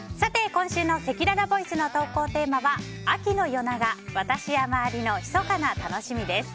今週のせきららボイスの投稿テーマは秋の夜長私や周りのひそかな楽しみです。